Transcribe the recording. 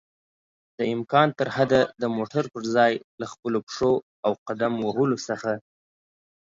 دامکان ترحده د موټر پر ځای له خپلو پښو او قدم وهلو څخه